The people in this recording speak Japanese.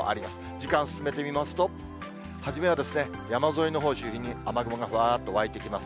時間進めてみますと、初めは山沿いのほう中心に雨雲がわーっと湧いてきます。